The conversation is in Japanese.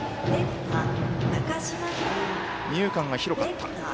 二遊間が広かった。